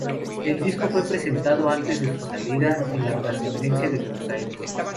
El disco fue presentado antes de su salida en La Trastienda de Buenos Aires.